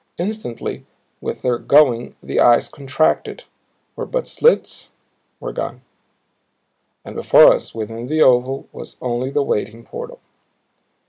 Instantly with their going, the eyes contracted; were but slits; were gone. And before us within the oval was only the waiting portal.